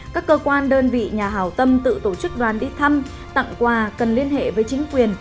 các cơ quan đơn vị nhà hào tâm tự tổ chức đoàn đi thăm tặng quà cần liên hệ với chính quyền